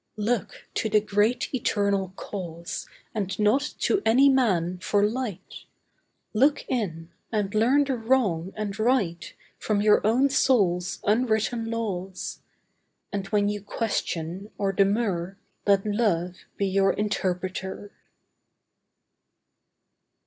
Look to the Great Eternal Cause And not to any man, for light. Look in; and learn the wrong, and right, From your own soul's unwritten laws. And when you question, or demur, Let Love be your Interpreter.